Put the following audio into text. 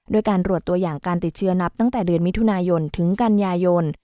การรวดตัวอย่างการติดเชื้อนับตั้งแต่เดือนมิถุนายนถึงกันยายน